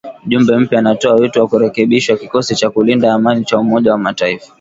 Mjumbe mpya anatoa wito wa kurekebishwa kikosi cha kulinda amani cha Umoja wa Mataifa